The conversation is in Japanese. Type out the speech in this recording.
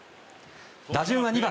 打順は２番。